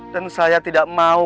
dan saya tidak mau